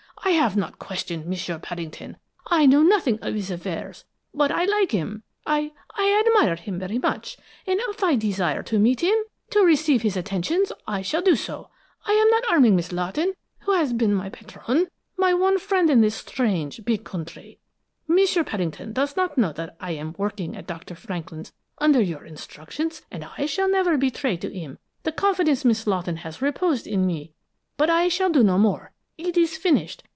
I have not questioned M'sieu Paddington; I know nothing of his affairs, but I like him, I I admire him very much, and if I desire to meet him, to receive his attentions, I shall do so. I am not harming Miss Lawton, who has been my patronne, my one friend in this strange, big country. M'sieu Paddington does not know that I am working at Dr. Franklin's under your instructions, and I shall never betray to him the confidence Miss Lawton has reposed in me. But I shall do no more; it is finished.